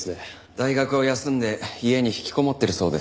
大学を休んで家に引きこもってるそうです。